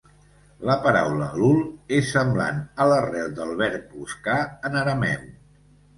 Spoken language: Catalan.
La paraula "Elul" és semblant a l'arrel del verb "buscar" en arameu.